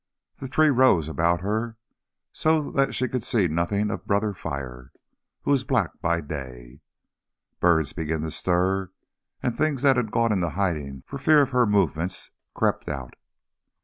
The trees rose about her, so that she could see nothing of Brother Fire, who is black by day. Birds began to stir, and things that had gone into hiding for fear of her movements crept out....